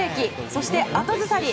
そして、後ずさり。